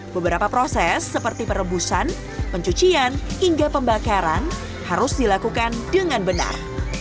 beberapa proses seperti perebusan pencucian hingga pembakaran harus dilakukan dengan benar